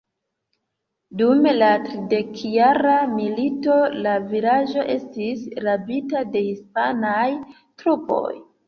Dum la Tridekjara Milito la vilaĝo estis rabita de hispanaj trupoj.